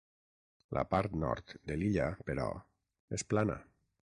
La part nord de l'illa, però, és plana.